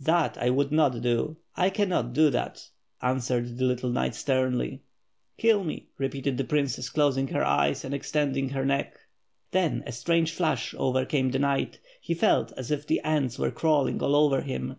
"That I would not do! I cannot do that!" answered the little knight sternly. "Kill me," repeated the princess, closing her eyes, and ex tending her neck. Then a strange flush overcame the knight, he felt as if ants were crawling all over him.